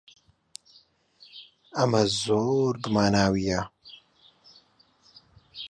ئەمە زۆر گوماناوییە.